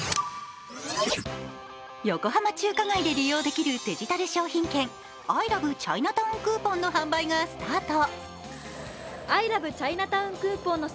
横浜中華街で利用できるデジタル商品券、アイラブチャイナタウンクーポンの販売がスタート。